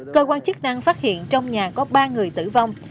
cơ quan chức năng phát hiện trong nhà có ba người tử vong